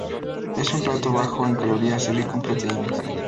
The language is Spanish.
Es un plato bajo en calorías y rico en proteínas.